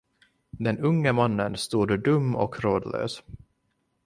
Den unge mannen stod dum och rådlös.